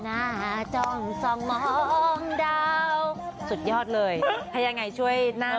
เอรอเหมือนเลยนะ